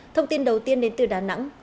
thông tin đầu tiên đến từ đà nẵng